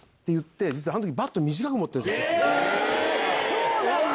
そうなんだ！